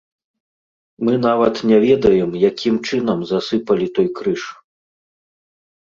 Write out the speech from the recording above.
Мы нават не ведаем, якім чынам засыпалі той крыж.